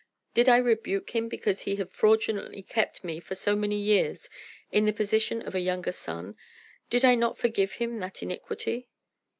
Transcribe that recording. "Did I rebuke him because he had fraudulently kept me for so many years in the position of a younger son? Did I not forgive him that iniquity?"